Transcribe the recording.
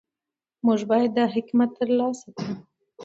موږ باید دا حکمت ترلاسه کړو.